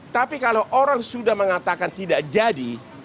tapi kalau orang sudah mengatakan tidak jadi